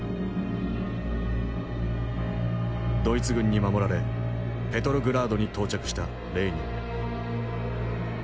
ドイツ軍に守られペトログラードに到着したレーニン。